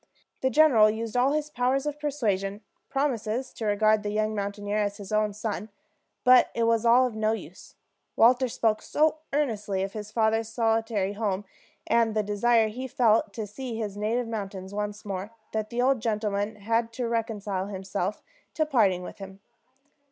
The general used all his powers of persuasion, promised to regard the young mountaineer as his own son; but it was all of no use. Walter spoke so earnestly of his father's solitary home, and the desire he felt to see his native mountains once more, that the old gentleman had to reconcile himself to parting with him.